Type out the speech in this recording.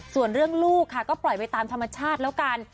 ส่วนเรื่องลูกค่ะก็ปล่อยไปตามธรรมชาติแล้วกัน